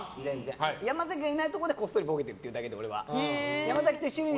山崎がいないところでこっそりボケてるだけで。